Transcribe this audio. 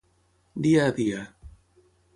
Dia a dia.